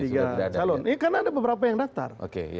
ini karena ada beberapa yang daftar